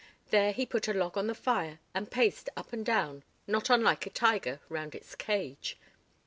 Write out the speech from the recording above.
There he put a log on the fire and paced up and down, not unlike a tiger round its cage.